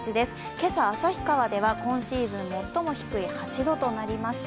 今朝、旭川では今シーズン最も低い８度となりました。